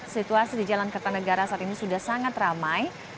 situasi di jalan kertanegara saat ini sudah sangat ramai